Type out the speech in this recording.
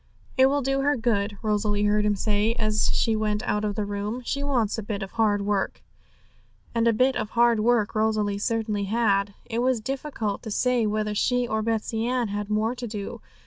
'It will do her good,' Rosalie heard him say, as she went out of the room; 'she wants a bit of hard work.' And a bit of hard work Rosalie certainly had; it was difficult to say whether she or Betsey Ann had the more to do.